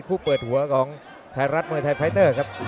คู่เปิดหัวของไทยรัตท์เมืองไทยไฟต์เตอร์ครับ